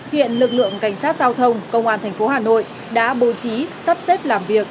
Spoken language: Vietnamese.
hiện lực lượng cảnh sát giao thông công an tp hà nội đã bố trí sắp xếp làm việc